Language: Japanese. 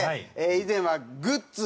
以前はグッズ